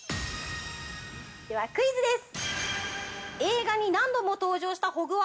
では、クイズです！